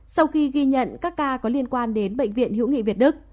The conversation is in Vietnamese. sau khi ghi nhận các ca có liên quan đến bệnh viện hữu nghị việt đức